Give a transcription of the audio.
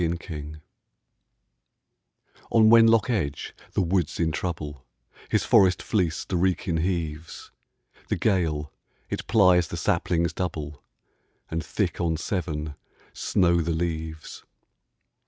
XXXI On Wenlock Edge the wood's in trouble; His forest fleece the Wrekin heaves; The gale, it plies the saplings double, And thick on Severn snow the leaves.